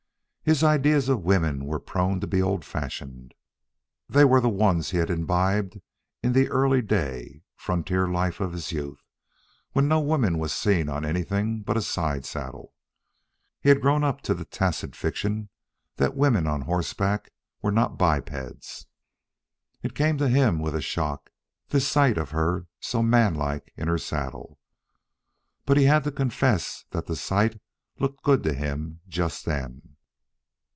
His ideas of women were prone to be old fashioned; they were the ones he had imbibed in the early day, frontier life of his youth, when no woman was seen on anything but a side saddle. He had grown up to the tacit fiction that women on horseback were not bipeds. It came to him with a shock, this sight of her so manlike in her saddle. But he had to confess that the sight looked good to him just then.